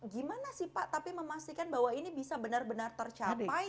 gimana sih pak tapi memastikan bahwa ini bisa benar benar tercapai